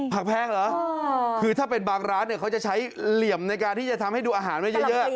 แพงเหรอคือถ้าเป็นบางร้านเนี่ยเขาจะใช้เหลี่ยมในการที่จะทำให้ดูอาหารไว้เยอะ